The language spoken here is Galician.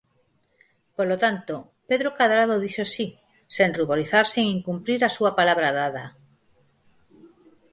Polo tanto, Pedro Cadrado dixo si, sen ruborizarse en incumprir a súa palabra dada.